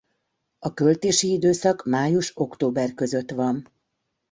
A költési időszak május–október között van.